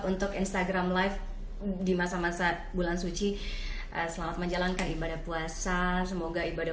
untuk instagram live di masa masa bulan suci selamat menjalankan ibadah puasa semoga ibadah